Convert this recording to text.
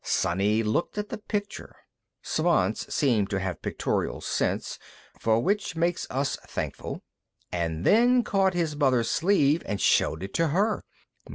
Sonny looked at the picture Svants seemed to have pictoral sense, for which make us thankful! and then caught his mother's sleeve and showed it to her.